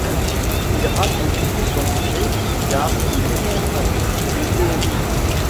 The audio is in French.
Il rate le concours d'entrée car il est plus pratique que théorique.